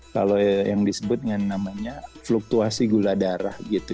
kalau yang disebut dengan namanya fluktuasi gula darah gitu